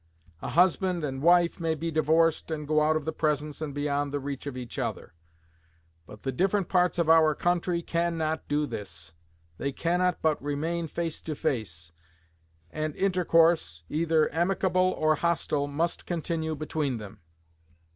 A husband and wife may be divorced, and go out of the presence and beyond the reach of each other; but the different parts of our country cannot do this. They cannot but remain face to face; and intercourse, either amicable or hostile, must continue between them.